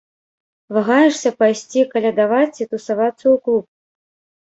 Вагаешся, пайсці калядаваць ці тусавацца ў клуб?